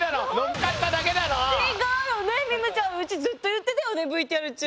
ミムちゃん。うちずっと言ってたよねＶＴＲ中。